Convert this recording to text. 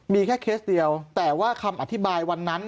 มีแค่เคสเดียวแต่ว่าคำอธิบายวันนั้น